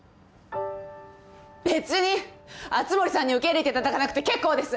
別に熱護さんに受け入れていただかなくて結構です！